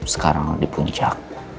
sekarang di puncak